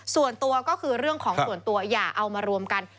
ส่วนตัวก็คือเรื่องของส่วนตัวอย่าเอามารวมกัน